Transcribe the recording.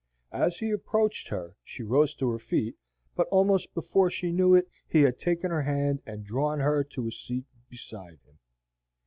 As he approached her she rose to her feet, but almost before she knew it he had taken her hand and drawn her to a seat beside him.